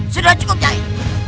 sudah cukup nyai